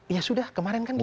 ya sudah kemarin kan